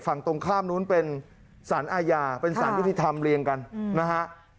ฝั่งตรงข้ามนู้นเป็นสารอาญาเป็นสารยุติธรรมเรียงกันนะฮะ